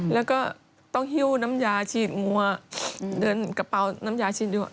แล้วก็ต้องหิ้วน้ำยาฉีดงัวเดินกระเป๋าน้ำยาฉีด